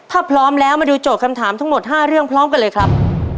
ถ้าพร้อมแล้วมาดูโจทย์คำถามทั้งหมด๕เรื่องพร้อมกันเลยครับ